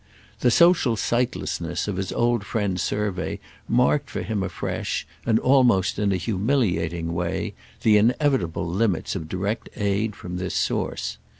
The social sightlessness of his old friend's survey marked for him afresh, and almost in an humiliating way, the inevitable limits of direct aid from this source.